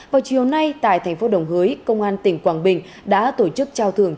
vào chiều nay tại thành phố đồng hới công an tỉnh quảng bình đã tổ chức trao thưởng